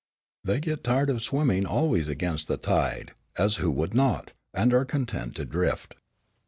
They get tired of swimming always against the tide, as who would not? and are content to drift.